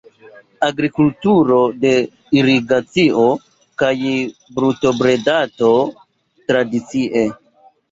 Agrikulturo de irigacio kaj brutobredado tradicie.